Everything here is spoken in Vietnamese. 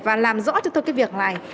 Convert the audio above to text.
và làm rõ cho tôi cái việc này